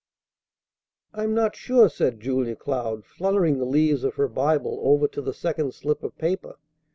"I'm not sure," said Julia Cloud, fluttering the leaves of her Bible over to the second slip of paper.